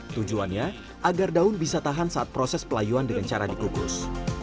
tujuannya agar daun bisa tahan saat proses pelayuan dengan cara dikukus